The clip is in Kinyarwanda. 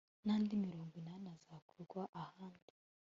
n'andi mirongo inani azakurwa ahandi